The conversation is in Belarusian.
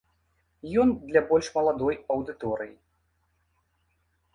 Ён для больш маладой аўдыторыі.